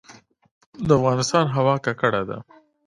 د افغانستان هوا ککړه ده